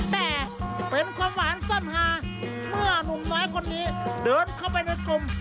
แต่เป็นความหวานซ่อนหาเมื่อนุ่มน้อยคนนี้เดินเข้าไปในกลุ่ม